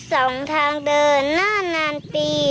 สองทางเดินหน้านานปี